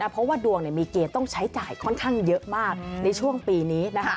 เพราะว่าดวงมีเกณฑ์ต้องใช้จ่ายค่อนข้างเยอะมากในช่วงปีนี้